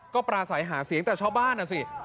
ก็ปราศัยหาเสียงแต่ชาวบ้านน่ะสิ